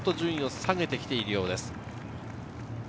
山梨学院が順位を下げてきているようです。